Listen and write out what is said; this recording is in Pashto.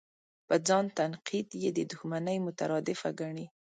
په ځان تنقید یې د دوښمنۍ مترادفه ګڼي.